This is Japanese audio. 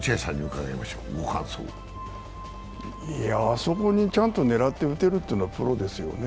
あそこにちゃんと狙って打てるってのはプロですよね。